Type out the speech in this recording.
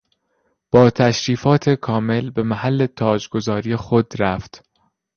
با تشریفات کامل به محل تاجگذاری خود رفت.